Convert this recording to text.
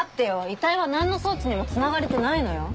遺体は何の装置にもつながれてないのよ。